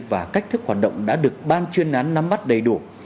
và cách thức hoạt động đã được ban chuyên án nắm bắt đầy đủ